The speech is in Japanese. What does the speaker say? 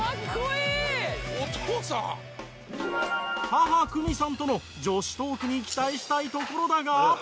母久美さんとの女子トークに期待したいところだが。